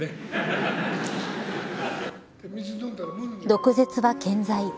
毒舌は健在。